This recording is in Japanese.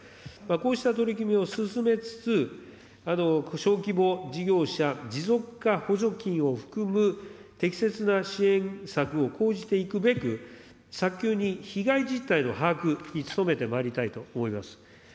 こうした取り組みを進めつつ、小規模事業者持続化補助金を含む適切な支援策を講じていくべく、早急に被害実態の把握に努めてまいりたいと思います。